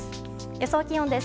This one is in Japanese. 予想気温です。